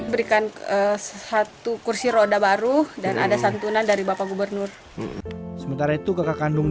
berikan satu kursi roda baru dan ada santunan dari bapak gubernur sementara itu kakak kandung